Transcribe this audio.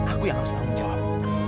aku yang harus tanggung jawab